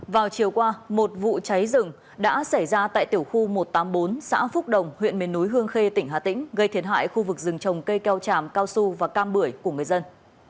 vào chiều qua một vụ cháy rừng đã xảy ra tại tiểu khu một trăm tám mươi bốn xã phúc đồng huyện miền núi hương khê tỉnh hà tĩnh gây thiệt hại khu vực rừng trồng cây keo tràm cao su và cam bưởi của người dân